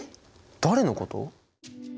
誰のこと？